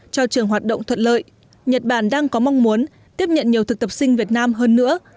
cho trường hoạt động thuận lợi nhật bản đang có mong muốn tiếp nhận nhiều thực tập sinh việt nam hơn nữa